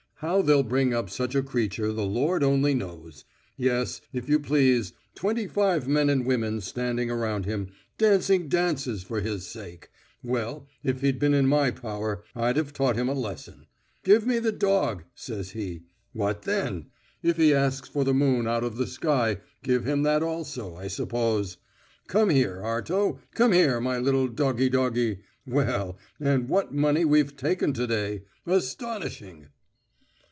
How they'll bring up such a creature, the Lord only knows. Yes, if you please, twenty five men and women standing around him, dancing dances for his sake. Well, if he'd been in my power, I'd have taught him a lesson. 'Give me the dog,' says he. What then? If he asks for the moon out of the sky, give him that also, I suppose. Come here, Arto, come here, my little doggie doggie. Well, and what money we've taken to day astonishing!"